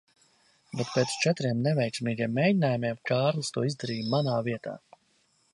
Bet pēc četriem neveiksmīgiem mēģinājumiem, Kārlis to izdarīja manā vietā.